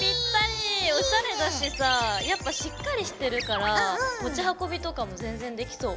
おしゃれだしさあやっぱしっかりしてるから持ち運びとかも全然できそう。